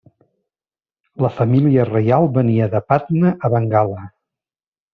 La família reial venia de Patna a Bengala.